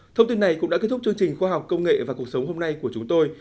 thông tin này cũng đã kết thúc chương trình khoa học công nghệ và cuộc sống hôm nay của chúng tôi